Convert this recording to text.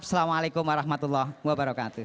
assalamu'alaikum warahmatullah wabarakatuh